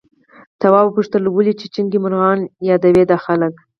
تواب وپوښتل ولې چیچونکي مرغان يادوي دا خلک؟